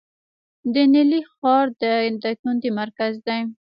د نیلي ښار د دایکنډي مرکز دی